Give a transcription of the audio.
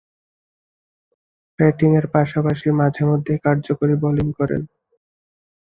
ব্যাটিংয়ের পাশাপাশি মাঝে-মধ্যেই কার্যকরী বোলিং করেন।